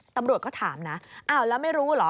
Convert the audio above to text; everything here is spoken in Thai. ตำรวจก็ถามนะอ้าวแล้วไม่รู้เหรอ